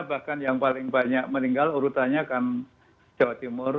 bahkan yang paling banyak meninggal urutannya kan jawa timur